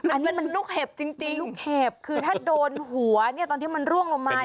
อันนี้มันลูกเห็บจริงลูกเห็บคือถ้าโดนหัวเนี่ยตอนที่มันร่วงลงมา